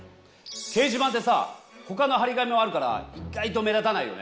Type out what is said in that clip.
掲示板ってさほかの張り紙もあるから意外と目立たないよね。